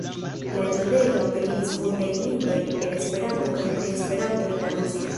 La eldonejo aperigis multajn librojn en Esperanto kaj pri Esperanto en la rusa.